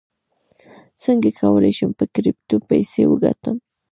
څنګه کولی شم په کریپټو پیسې وګټم